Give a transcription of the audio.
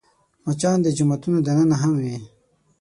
مچان د جوماتونو دننه هم وي